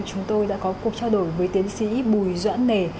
chúng tôi đã có cuộc trao đổi với tiến sĩ bùi doãn nề